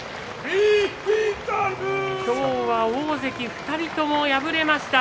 今日は大関２人とも敗れました。